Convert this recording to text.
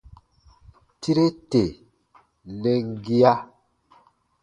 Tire tè nɛn gia.